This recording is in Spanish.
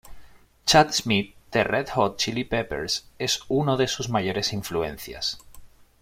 Chad Smith de Red Hot Chilli Peppers es uno de sus mayores influencias.